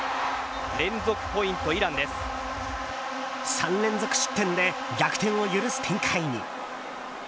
３連続失点で逆転を許す展開に。